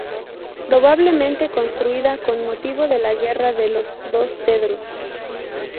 Probablemente construida con motivo de la guerra de los Dos Pedros.